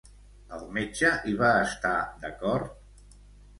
El metge hi va estar d'acord?